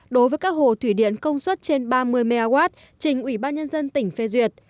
đối với các hồ thủy điện công suất trên ba mươi mw trình ủy ban nhân dân tỉnh phê duyệt